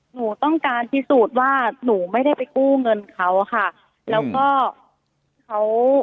หนูต้องการที่สุดว่าหนูไม่ได้ไปคู่เงินเขาค่ะ